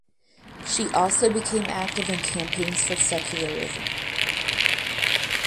She also became active in campaigns for secularism.